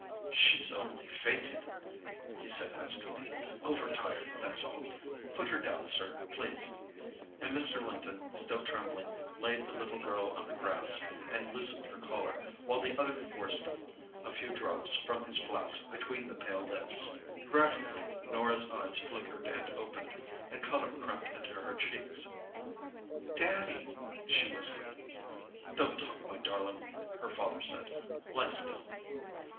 "She's only fainted," he said huskily. "Over tired, that's all. Put her down, sir, please"—and Mr. Linton, still trembling, laid the little girl on the grass, and loosened her collar, while the other forced a few drops from his flask between the pale lips. Gradually Norah's eyes flickered and opened, and colour crept into her cheeks. "Daddy!" she whispered. "Don't talk, my darling," her father said. "Lie still."